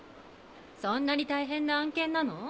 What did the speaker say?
そんなに大変な案件なの？